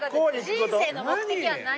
「人生の目的は何？」